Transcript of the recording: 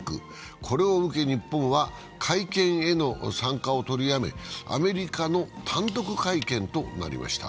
これを受け、日本は会見への参加を取りやめ、アメリカの単独会見となりました。